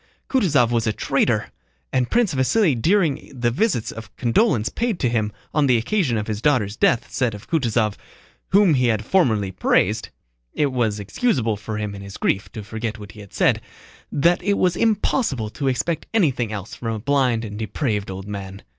Kutúzov was a traitor, and Prince Vasíli during the visits of condolence paid to him on the occasion of his daughter's death said of Kutúzov, whom he had formerly praised (it was excusable for him in his grief to forget what he had said), that it was impossible to expect anything else from a blind and depraved old man.